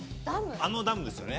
あのダムですよね。